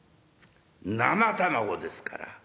生玉子ですから。